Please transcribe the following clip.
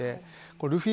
ルフィ